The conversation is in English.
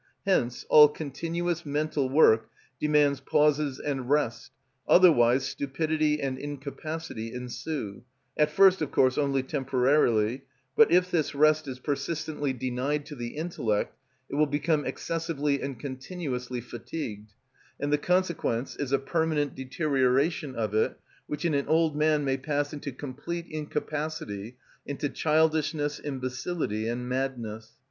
Hence all continuous mental work demands pauses and rest, otherwise stupidity and incapacity ensue, at first of course only temporarily; but if this rest is persistently denied to the intellect it will become excessively and continuously fatigued, and the consequence is a permanent deterioration of it, which in an old man may pass into complete incapacity, into childishness, imbecility, and madness.